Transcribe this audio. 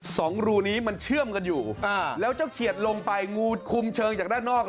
สองรูนี้มันเชื่อมกันอยู่อ่าแล้วเจ้าเขียดลงไปงูคุมเชิงจากด้านนอก